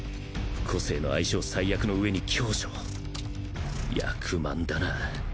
個性の相性最悪の上に狭所役満だな。